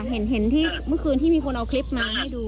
เห็นที่เมื่อคืนที่มีคนเอาคลิปมาให้ดู